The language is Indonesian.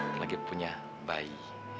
ntar lagi punya bayi